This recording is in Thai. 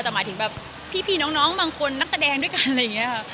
แต่หมายถึงแบบพี่น้องบางคนนักแสดงด้วยกันอะไรอย่างนี้ค่ะ